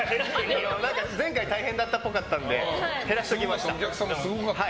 前回大変だったっぽかったので減らしておきました。